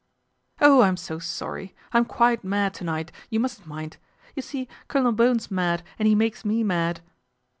" Oh, I'm so sorry ! I'm quite mad to night, you mustn't mind. You see Colonel Bowen's mad and he makes me mad."